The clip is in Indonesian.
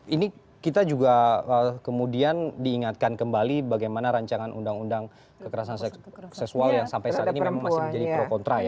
ini kita juga kemudian diingatkan kembali bagaimana rancangan undang undang kekerasan seksual yang sampai saat ini memang masih menjadi pro kontra ya